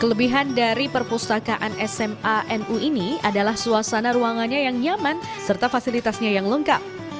pembelajaran dari perpustakaan smanu ini adalah suasana ruangannya yang nyaman serta fasilitasnya yang lengkap